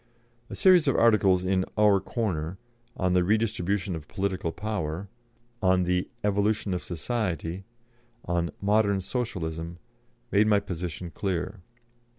A series of articles in Our Corner on the "Redistribution of Political Power," on the "Evolution of Society," on "Modern Socialism," made my position clear.